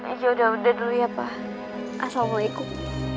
aja udah udah dulu ya pak assalamualaikum